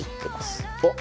おっ！